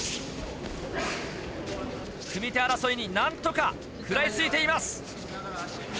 組手争いに何とか食らいついています。